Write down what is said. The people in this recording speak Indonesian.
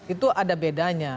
itu ada bedanya